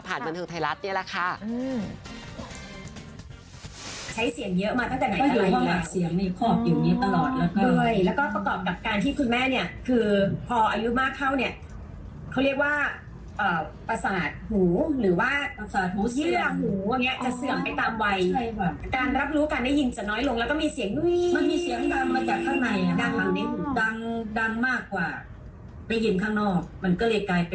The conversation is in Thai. ผ่านบรรทางไทยรัฐนี้แหละค่ะ